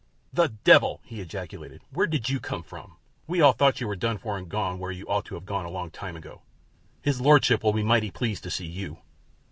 "The devil!" he ejaculated. "Where did you come from? We all thought you were done for and gone where you ought to have gone a long time ago. His lordship will be mighty pleased to see you."